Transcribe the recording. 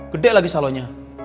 gede lagi salonnya